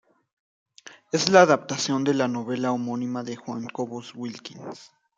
Es la adaptación de la novela homónima de Juan Cobos Wilkins.